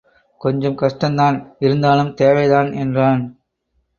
கொஞ்சம் கஷ்டம்தான் இருந்தாலும் தேவைதான் என்றான்.